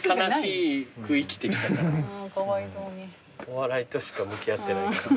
お笑いとしか向き合ってないから。